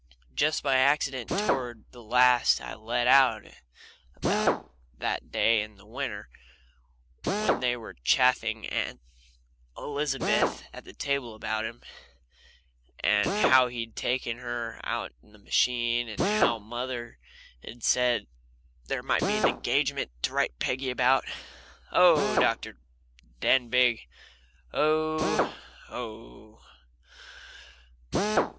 Just by accident toward the last I let out about that day in the winter when they were chaffing Aunt Elizabeth at the table about him, and how he'd taken her out in the machine, and how mother had said there might be an engagement to write Peggy about. "Oh!" said Dr. Denbigh. "Oh! oh!"